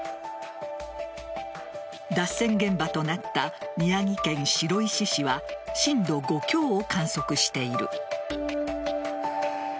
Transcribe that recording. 脱線現場となった宮城県白石市は震度５強を観測している。